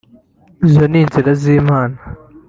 izo ni inzira z’Imana…